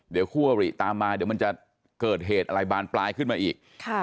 เดี๋ยวคู่อริตามมาเดี๋ยวมันจะเกิดเหตุอะไรบานปลายขึ้นมาอีก